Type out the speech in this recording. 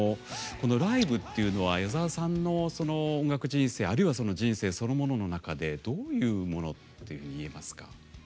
ライブっていうのは矢沢さんの音楽人生あるいは人生そのものの中でどういうものって見えますか？